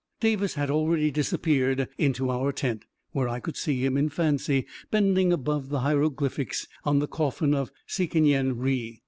Davis had already disappeared into our tent, where I could see him, in fancy, bending above the hieroglyphics on the coffin of Sekenyen Re.